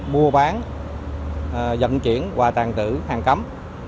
mua bán dận chuyển và tràn tử hàng cấm